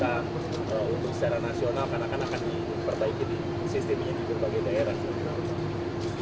karena akan diperbaiki sistemnya di berbagai daerah